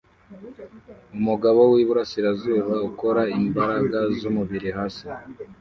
Umugabo wiburasirazuba ukora imbaraga zumubiri hasi